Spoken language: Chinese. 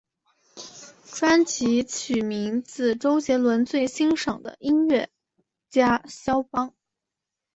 专辑取名自周杰伦最欣赏的音乐家萧邦。